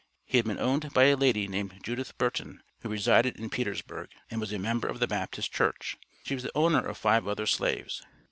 He had been owned by a lady named Judith Burton, who resided in Petersburg, and was a member of the Baptist Church. She was the owner of five other slaves.